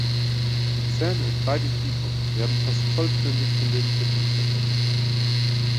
Die Zähne in beiden Kiefern werden fast vollständig von den Lippen verdeckt.